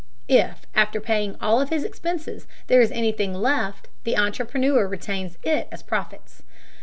If, after paying all of his expenses, there is anything left, the entrepreneur retains it as profits.